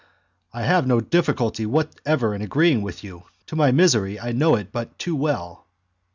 "I have no difficulty whatever in agreeing with you; to my misery, I know it but too well."